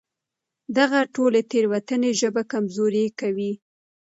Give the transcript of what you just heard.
دغه ډول تېروتنې ژبه کمزورې کوي.